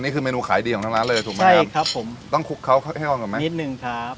นี่คือเมนูขายดีของทางร้านเลยถูกไหมใช่ครับผมต้องคลุกเขาแห้งอ่อนก่อนไหมนิดนึงครับ